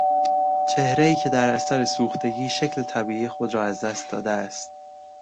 چهرهای که در اثر سوختگی شکل طبیعی خود را از دست داده است